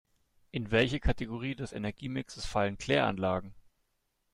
In welche Kategorie des Energiemixes fallen Kläranlagen?